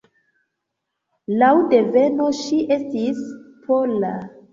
Laŭ deveno ŝi estis pola.